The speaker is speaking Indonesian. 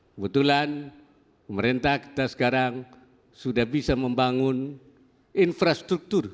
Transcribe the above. kebetulan pemerintah kita sekarang sudah bisa membangun infrastruktur